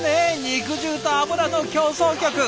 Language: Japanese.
肉汁と油の協奏曲！